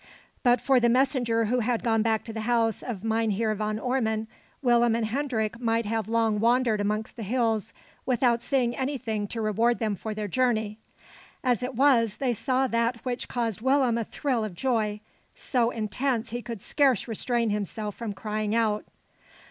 But for the messenger who had gone back to the house of Mynheer Van Ormon, Willem and Hendrik might have long wandered amongst the hills without seeing anything to reward them for their journey. As it was, they saw that which caused Willem a thrill of joy, so intense he could scarce restrain himself from crying out.